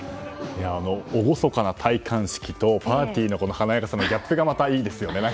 厳かな戴冠式とパーティーの華やかさとのギャップがまた、いいですよね。